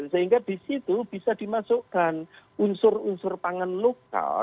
sehingga di situ bisa dimasukkan unsur unsur pangan lokal